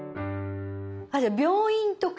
じゃあ病院とか。